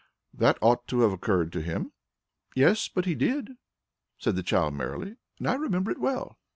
That ought to have occurred to him." "Yes, but he did," said the child merrily. "And I remember it well."